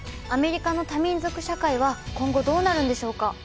アメリカの多民族社会は今後どうなるんでしょうか？